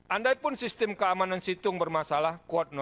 andaipun sistem keamanan situng bermasalah